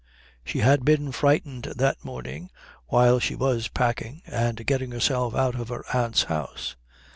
She had been frightened that morning while she was packing and getting herself out of her aunt's house.